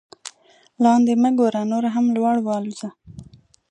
لاندې مه ګوره نور هم لوړ والوځه.